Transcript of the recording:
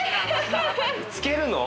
つけるの？